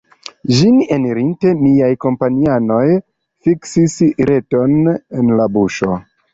Ĝin enirinte, miaj kompanianoj fiksis reton en la buŝo.